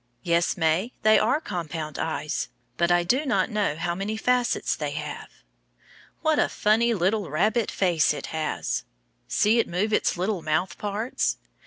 Yes, May, they are compound eyes, but I do not know how many facets they have. What a funny little rabbit face it has. See it move its little mouth parts.